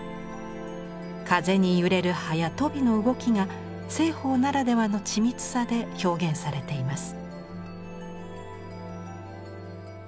風に揺れる葉や鳶の動きが栖鳳ならではの緻密さで表現されています。